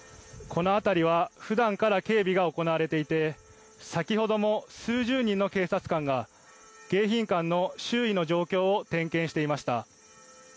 この辺りはふだんから警備が行われていて先ほども数十人の警察官が迎賓館の周囲の状況を点検していました。